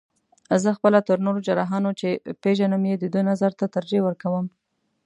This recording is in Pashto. زه خپله تر نورو جراحانو، چې پېژنم یې د ده نظر ته ترجیح ورکوم.